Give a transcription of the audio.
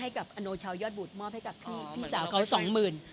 ให้กับอันนีส์ชาวยอดบูรบุธหมอบให้กับพี่สาวเค้าส่องหมื่น